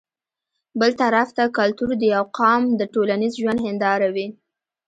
بل طرف ته کلتور د يو قام د ټولنيز ژوند هنداره وي